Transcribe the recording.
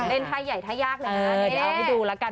เล่นท่าใหญ่ท่ายากเลยนะคะเออเดี๋ยวเอาให้ดูแล้วกัน